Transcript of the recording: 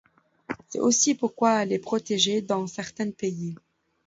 C'est aussi pourquoi est-elle protégée dans certains pays.